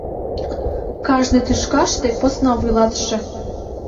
Кажне тӱшкаште посна вуйлатыше.